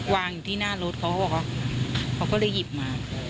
วางอยู่ที่หน้ารถเขาเขาก็เลยหยิบมา